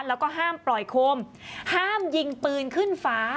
แล้วก็ห้ามปล่อยโคมห้ามยิงปืนขึ้นฟ้า